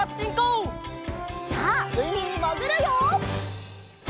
さあうみにもぐるよ！